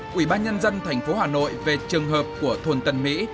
quỹ ban nhân dân thành phố hà nội về trường hợp của thôn tân mỹ